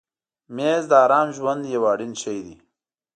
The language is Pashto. مېز د آرام ژوند یو اړین شی دی.